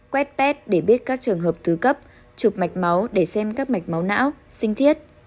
quét pet để biết các trường hợp thứ cấp chụp mạch máu để xem các mạch máu não sinh thiết